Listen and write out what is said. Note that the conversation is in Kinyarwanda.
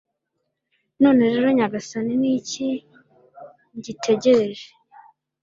none rero, nyagasani, ni iki ngitegereje